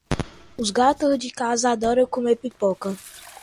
Os gatos de casa adoram comer pipoca.